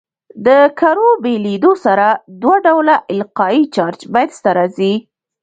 د کرو بېلېدو سره دوه ډوله القایي چارج منځ ته راځي.